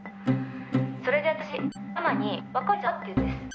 「それで私ママに別れちゃえばって言ったんです」